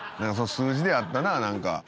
数字であったな何か。